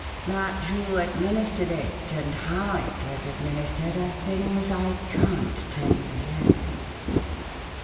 But who administered it and how it was administered are things I can't tell you yet."